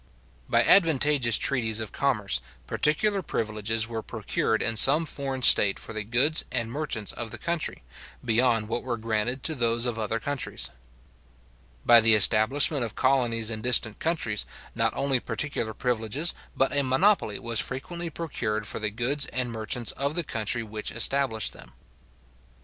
By advantageous treaties of commerce, particular privileges were procured in some foreign state for the goods and merchants of the country, beyond what were granted to those of other countries. By the establishment of colonies in distant countries, not only particular privileges, but a monopoly was frequently procured for the goods and merchants of the country which established them.